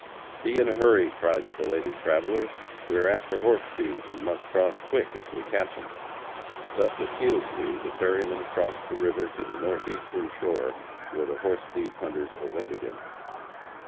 "Be in a hurry," cried the belated travelers. "We are after horse thieves and must cross quick if we catch them." Thus appealed to the ferryman crossed the river to the northeastern shore, where the horse thief hunters awaited him.